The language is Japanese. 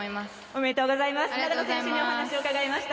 おめでとうございます。